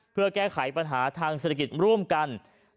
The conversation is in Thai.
เพื่อแก้ไขปัญหาทางเศรษฐกิจร่วมกัน